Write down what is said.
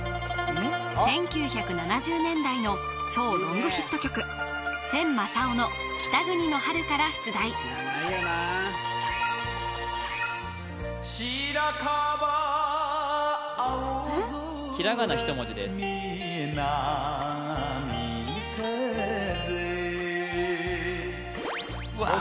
１９７０年代の超ロングヒット曲千昌夫の「北国の春」から出題知らないよなえっ？